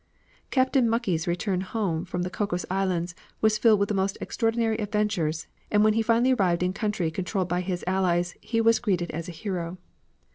Captain Mucke's return home from the Cocos Island was filled with the most extraordinary adventures, and when he finally arrived in country controlled by his Allies he was greeted as a hero.